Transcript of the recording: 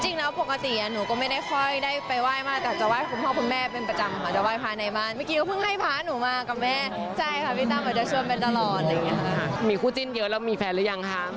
จริงแล้วปกติหนูก็ไม่ได้ค่อยได้ไปไหว้มาแต่จะไห้คุณพ่อคุณแม่เป็นประจำค่ะจะไหว้พระในบ้านเมื่อกี้ก็เพิ่งให้พระหนูมากับแม่ใช่ค่ะพี่ตั้มอาจจะช่วยแม่ตลอดอะไรอย่างนี้ค่ะมีคู่จิ้นเยอะแล้วมีแฟนหรือยังคะ